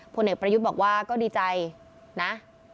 พ่อเหนิดประยุทธบอกว่าก็ดีใจนะ